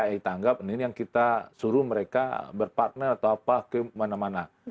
kita anggap ini yang kita suruh mereka berpartner atau apa kemana mana